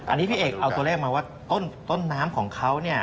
อันนี้พี่เอกเอาความตัวแรกมาว่าต้นน้ำของเขา